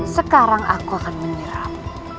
sekarang aku akan menyerap